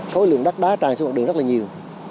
khối lượng đất đá tràn xuống mặt đường rất là nhiều